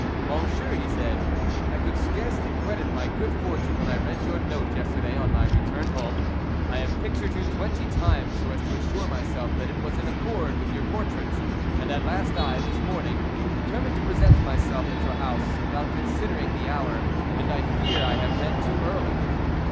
"Monsieur," he said, "I could scarcely credit my good fortune when I read your note yesterday on my return home. I have pictured you twenty times so as to assure myself that it was in accord with your portraits, and at last I, this morning, determined to present myself at your house without considering the hour, and I fear I have been too early."